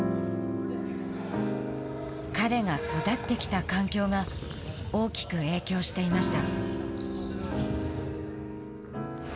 彼が育ってきた環境が大きく影響していました。